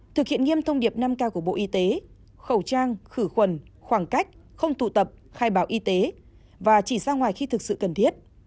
thực hiện nghiêm thông điệp năm k của bộ y tế khẩu trang khử khuẩn khoảng cách không tụ tập khai báo y tế và chỉ ra ngoài khi thực sự cần thiết